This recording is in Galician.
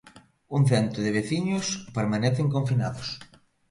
Un cento de veciños permanecen confinados.